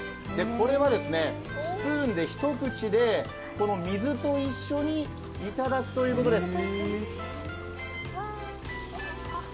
これはスプーンで一口でこの水と一緒にいただくということです。